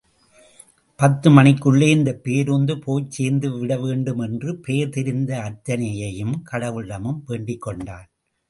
பத்து மணிக்குள்ளே இந்த பேருந்து போய் சேர்ந்துவிட வேண்டும் என்று பெயர் தெரிந்த அத்தனையையும் கடவுளிடமும் வேண்டிக் கொண்டான்.